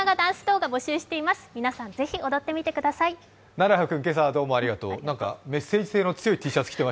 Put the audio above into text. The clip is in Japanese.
なるは君、今朝はどうもありがとう。